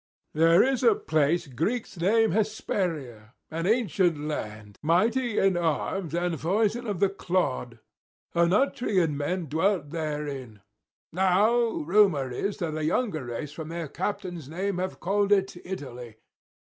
There is a place Greeks name Hesperia, an ancient land, mighty in arms and foison of the clod; Oenotrian men dwelt therein; now rumour is that a younger race from their captain's name have called it Italy.